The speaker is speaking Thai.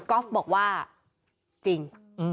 เกอฟบอกว่าจริง